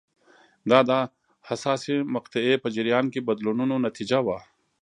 دا د حساسې مقطعې په جریان کې بدلونونو نتیجه وه.